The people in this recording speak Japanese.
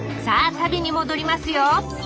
さあ旅に戻りますよ！